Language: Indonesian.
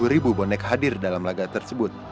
dua puluh ribu bonek hadir dalam laga tersebut